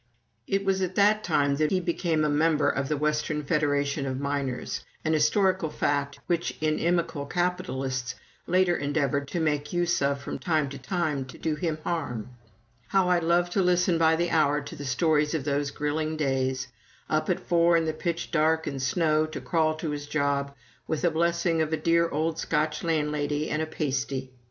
It was at that time that he became a member of the Western Federation of Miners an historical fact which inimical capitalists later endeavored to make use of from time to time to do him harm. How I loved to listen by the hour to the stories of those grilling days up at four in the pitch dark and snow, to crawl to his job, with the blessing of a dear old Scotch landlady and a "pastie"!